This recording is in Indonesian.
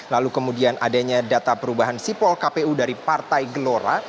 lalu kemudian adanya data perubahan sipol kpu dari partai gelora